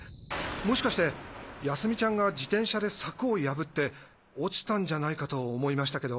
もしかして泰美ちゃんが自転車で柵を破って落ちたんじゃないかと思いましたけど。